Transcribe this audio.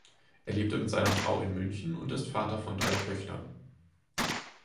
Er lebt mit seiner Frau in München und ist Vater von drei Töchtern.